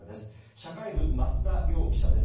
社会部、増田亮央記者です。